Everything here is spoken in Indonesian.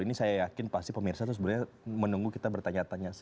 mungkin pasti pemirsa itu sebenarnya menunggu kita bertanya tanya